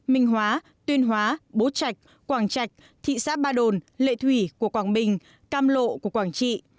minh hóa tuyên hóa bố trạch quảng trạch thị xã ba đồn lệ thủy của quảng bình cam lộ của quảng trị